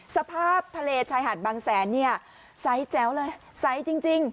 สภาพทะเลชายหาดบางแสนเนี่ยใสแจ๋วเลยใสจริง